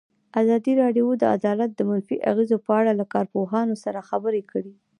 ازادي راډیو د عدالت د منفي اغېزو په اړه له کارپوهانو سره خبرې کړي.